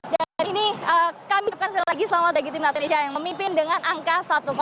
dan ini kami berkata lagi selamat lagi timnas indonesia yang memimpin dengan angka satu